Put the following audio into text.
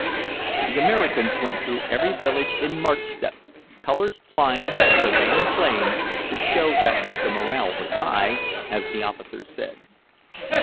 The Americans went through every village in march step, colours flying, the band playing, "to show that the morale was high," as the officers said.